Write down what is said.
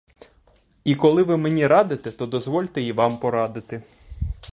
І коли ви мені радите, то дозвольте й вам порадити.